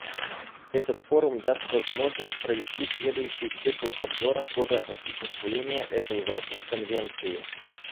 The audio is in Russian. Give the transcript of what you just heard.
Этот форум даст возможность провести следующий цикл обзора хода осуществления этой важной Конвенции.